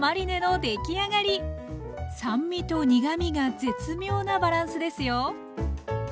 酸味と苦みが絶妙なバランスですよ。